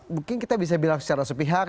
mungkin kita bisa bilang secara sepihak